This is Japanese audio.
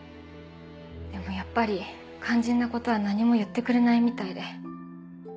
でもやっぱり肝心なことは何も言ってくれないみたいで。